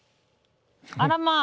あらまあ。